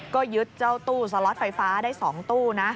ก็ยึดเจ้าตู้สล็อตไฟฟ้าได้๒ตู้นะ